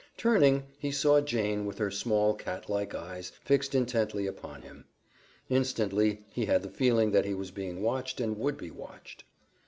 Turning, he saw Jane with her small catlike eyes fixed intently upon him. Instantly he had the feeling that he was being watched and would be watched.